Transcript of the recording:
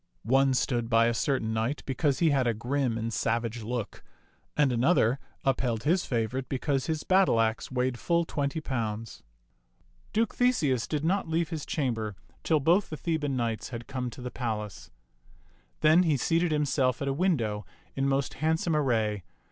One stood by a certain knight because he had a grim and savage look, and another upheld his favorite be cause his battle axe weighed full twenty pounds. Duke Theseus did not leave his chamber till both the Theban knights had come to the palace. Then he seated himself at a window in most handsome ar ray.